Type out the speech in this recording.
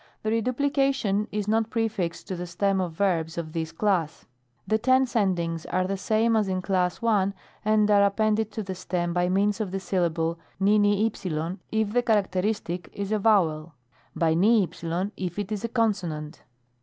The reduplication is not prefixed to the stem of verbs of this class. The tense endings are the same as in Class I., and are appended to the stem by means of the syllable vvv^ if the characteristic is a vowel ; by vv if it is a consonant.